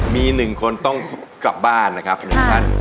มีหนึ่งคนต้องกลับบ้านนะครับ